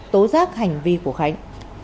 tố giác hành vi của khánh